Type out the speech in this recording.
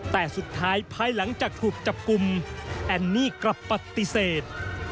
แต่สุดท้ายภายหลังจากถูกจับกลุ่มแอนนี่กลับปฏิเสธ